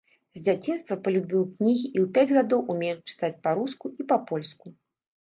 З дзяцінства палюбіў кнігі і ў пяць гадоў умеў чытаць па-руску і па-польску.